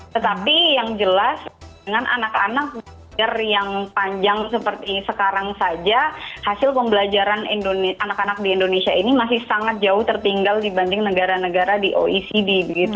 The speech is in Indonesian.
tetapi yang jelas dengan anak anak belajar yang panjang seperti sekarang saja hasil pembelajaran anak anak di indonesia ini masih sangat jauh tertinggal dibanding negara negara di oecd